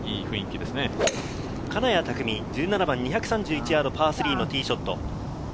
金谷拓実、１７番、２３１ヤード、パー３のティーショット。